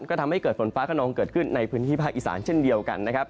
ก็ทำให้เกิดฝนฟ้าขนองเกิดขึ้นในพื้นที่ภาคอีสานเช่นเดียวกันนะครับ